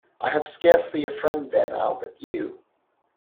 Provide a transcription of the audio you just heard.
I have scarcely a friend there now but you.